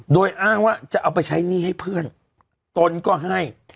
โดยอ้างว่าจะเอาไปใช้หนี้ให้เพื่อนตนก็ให้